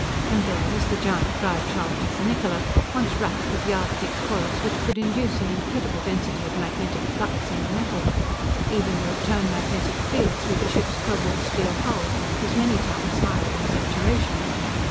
And there was the giant drive shaft of the Niccola, once wrapped with yard thick coils which could induce an incredible density of magnetic flux in the metal. Even the return magnetic field, through the ship's cobalt steel hull, was many times higher than saturation.